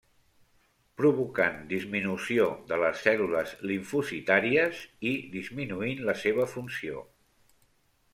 Provocant disminució de les cèl·lules limfocitàries i disminuint la seva funció.